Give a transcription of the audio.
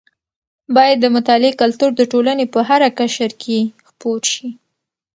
باید د مطالعې کلتور د ټولنې په هره قشر کې خپور شي.